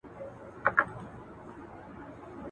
بهرني مداخلې باید بندي شي.